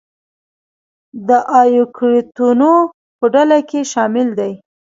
د ایوکریوتونو په ډله کې شامل دي.